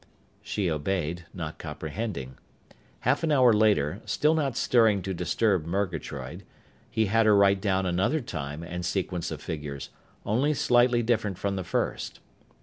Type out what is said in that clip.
She obeyed, not comprehending. Half an hour later, still not stirring to disturb Murgatroyd, he had her write down another time and sequence of figures, only slightly different from the first.